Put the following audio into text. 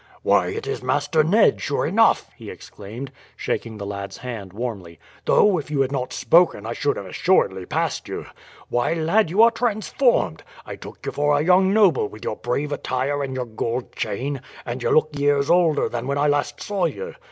"Why, it is Master Ned, sure enough!" he exclaimed, shaking the lad's hand warmly. "Though if you had not spoken I should have assuredly passed you. Why, lad, you are transformed. I took you for a young noble with your brave attire and your gold chain; and you look years older than when I last saw you.